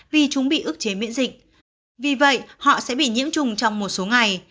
vì chúng bị ước chế miễn dịch vì vậy họ sẽ bị nhiễm chủng trong một số ngày